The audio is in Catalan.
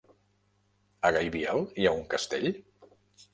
A Gaibiel hi ha un castell?